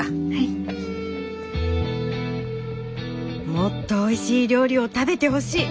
もっとおいしい料理を食べてほしい！